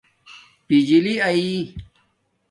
بجلی اݺݵ